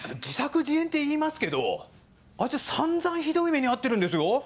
自作自演っていいますけどあいつ散々ひどい目に遭ってるんですよ！